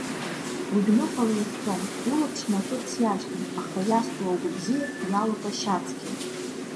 Уи дәныҟала иҳәҳәом, улаԥш хнакырц иашьҭам, аха иазҭоуп агәы бзиа, иалоуп ашьа цқьа.